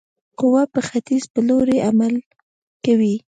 قوه په ختیځ په لوري عمل کوي.